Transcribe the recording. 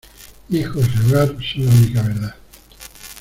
Hijos y hogar, son la única verdad.